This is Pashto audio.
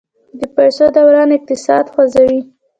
د پیسو دوران اقتصاد خوځوي.